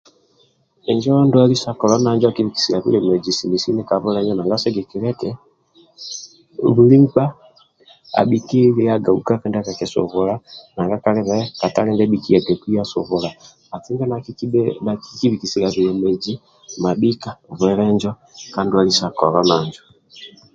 Njo ndwali sa kolona akidweliya bulemezi samani sini sini nanga sigikilya eti buli mkpa abilyaga ukwaka ndia ka kisubula nanga kalibhe katale ndia bikiyagaku ya subula ati njo nakikibikisilya bilemeji mabika ka ndwali sa kolon njo